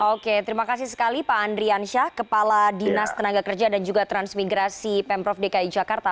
oke terima kasih sekali pak andrian syah kepala dinas tenaga kerja dan juga transmigrasi pemprov dki jakarta